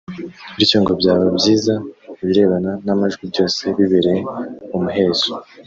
bityo ngo byaba byiza ibirebana n’amajwi byose bibereye mu muhezo